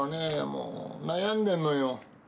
もう悩んでんのよ。